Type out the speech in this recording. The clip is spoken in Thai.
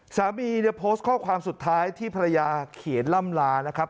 สามีเนี่ยโพสต์ข้อความสุดท้ายที่ภรรยาเขียนล่ำลานะครับ